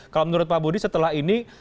kalau menurut pak budi setelah ini